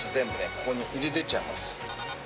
ここに入れていっちゃいます。